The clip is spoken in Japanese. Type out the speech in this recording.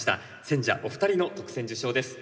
選者お二人の特選受賞です。